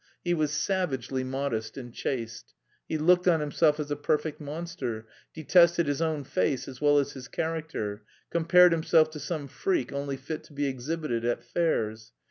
He was savagely modest and chaste, he looked on himself as a perfect monster, detested his own face as well as his character, compared himself to some freak only fit to be exhibited at fairs.